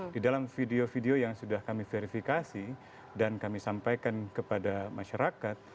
di dalam video video yang sudah kami verifikasi dan kami sampaikan kepada masyarakat